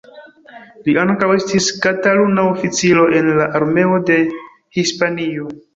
Li ankaŭ estis Kataluna oficiro en la Armeo de Hispanio.